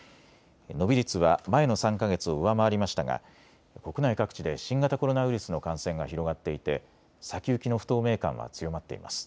伸び率は前の３か月を上回りましたが国内各地で新型コロナウイルスの感染が広がっていて先行きの不透明感は強まっています。